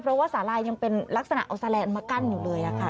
เพราะว่าสาลายังเป็นลักษณะเอาแลนด์มากั้นอยู่เลยค่ะ